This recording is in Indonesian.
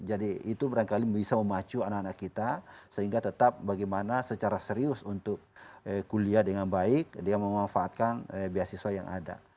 jadi itu berangkali bisa memacu anak anak kita sehingga tetap bagaimana secara serius untuk kuliah dengan baik dia memanfaatkan beasiswa yang ada